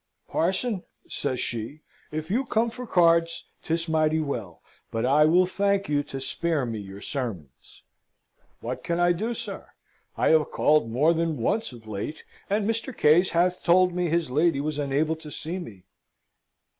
'Parson,' says she, 'if you come for cards, 'tis mighty well, but I will thank you to spare me your sermons.' What can I do, sir? I have called more than once of late, and Mr. Case hath told me his lady was unable to see me."